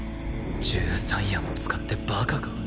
１３矢も使ってバカか？